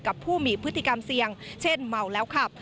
ผู้มีพฤติกรรมเสี่ยงเช่นเมาแล้วขับ